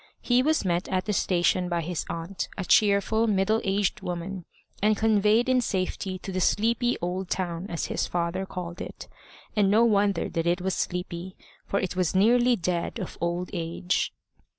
He was met at the station by his aunt, a cheerful middle aged woman, and conveyed in safety to the sleepy old town, as his father called it. And no wonder that it was sleepy, for it was nearly dead of old age.